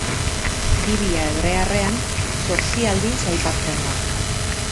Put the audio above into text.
Biblia hebrearrean zortzi aldiz aipatzen da.